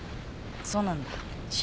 そうなんだ。